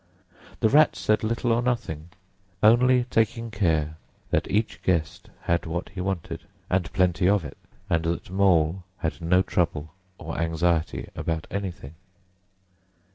The Rat said little or nothing, only taking care that each guest had what he wanted, and plenty of it, and that Mole had no trouble or anxiety about anything.